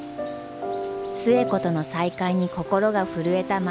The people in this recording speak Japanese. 寿恵子との再会に心が震えた万太郎。